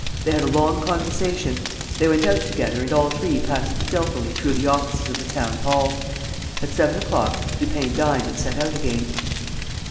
They had a long conversation. They went out together and all three passed stealthily through the offices of the town hall. At seven o'clock, Lupin dined and set out again.